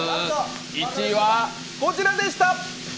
１位はこちらでした！